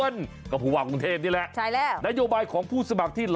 อย่ายิ่งส